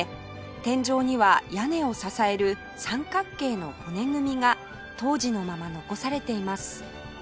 天井には屋根を支える三角形の骨組みが当時のまま残されています